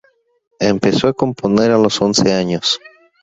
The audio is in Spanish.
Empezó a componer a los once años.